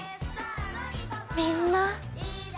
みんな。